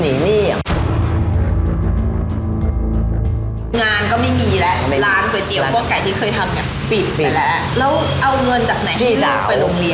พี่สาวพลายลงเรียนนะครับ